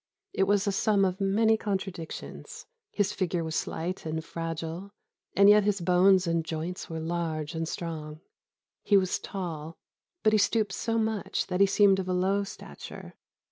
It was a sum of many contradictions. His figure was slight and fragile, and yet his bones and joints were large and strong. He was tall, but he stooped so much that he seemed of a low stature.